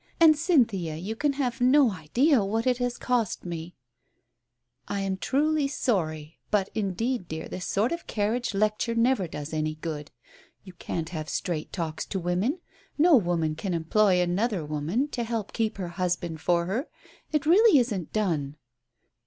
And, Cynthia, you can have no idea what it has cost me !" "I am truly sorry, but, indeed, dear, this sort of carriage lecture never does any good. You can't have straight talks to women. No woman can employ another woman to help keep her husband for her — it really isn't done."